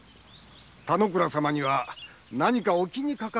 田之倉様には何かお気にかかることでも？